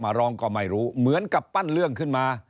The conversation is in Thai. ร้องก็ไม่รู้เหมือนกับปั้นเรื่องขึ้นมา